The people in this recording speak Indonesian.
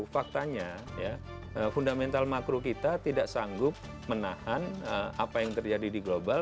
faktanya fundamental makro kita tidak sanggup menahan apa yang terjadi di global